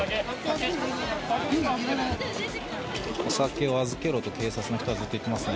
お酒を預けろと警察の人がずっと言っていますね。